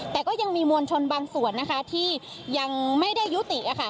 แต่ก็ยังมีมวลชนบางส่วนนะคะที่ยังไม่ได้ยุติ